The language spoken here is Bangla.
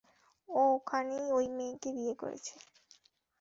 ও ওখানেই ঐ মেয়েকে বিয়ে করেছে।